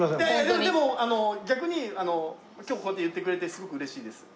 でも逆に今日こうやって言ってくれてすごく嬉しいです。